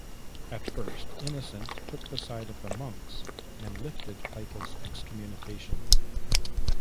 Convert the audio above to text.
At first, Innocent took the side of the monks, and lifted Pica's excommunication.